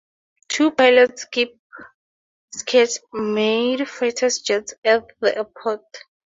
Two pilots keep Czech-made fighter jets at the airport.